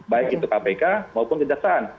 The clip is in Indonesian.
baik itu kpk maupun kejaksaan